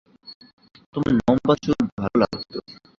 তোমার লম্বা চুল ভালো লাগতো।